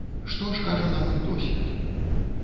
Што ж кажа нам іх досвед?